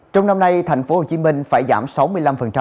trong năm nay tp hcm phải giảm sáu mươi năm khối lượng